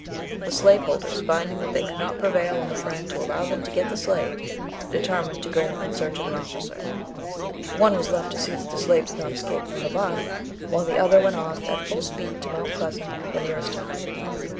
The slaveholders, finding that they could not prevail on the Friend to allow them to get the slave, determined to go in search of an officer. One was left to see that the slave did not escape from the barn, while the other went off at full speed to Mount Pleasant, the nearest town.